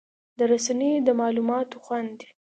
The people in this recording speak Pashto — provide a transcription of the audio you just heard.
د رسنیو د مالوماتو خونه